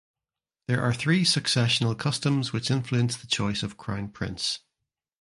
There are three successional customs which influence the choice of Crown Price.